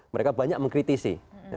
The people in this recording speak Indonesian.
mereka banyak mengkritisi